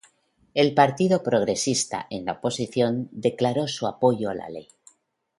El Partido Progresista, en la oposición, declaró su apoyo a la ley.